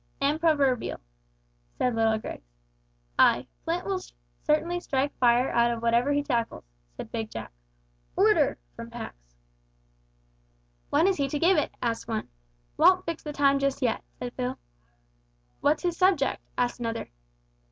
"And proverbial," added little Grigs. "Ay, Flint will certainly strike fire out of whatever he tackles," said Big Jack. ("Order!" from Pax.) "When is he to give it?" asked one. "Won't fix the time just yet," said Phil. "What's his subject?" asked another.